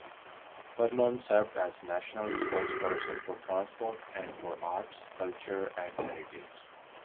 Vernon served as National's spokesperson for Transport and for Arts, Culture and Heritage.